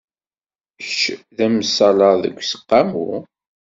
Kecc d amaslaḍ deg useqqamu?